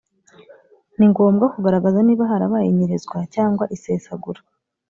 Ni ngombwa kugaragaza niba harabaye inyerezwa cyangwa isesagura